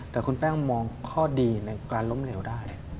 แต่คุณแป้งมองข้อดีในการล้มเหลวได้